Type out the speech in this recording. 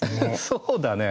そうだね。